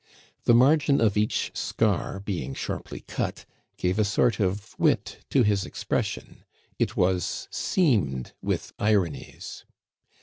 The margin of each scar being sharply cut, gave a sort of wit to his expression; it was seamed with ironies.